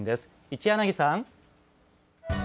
一柳さん。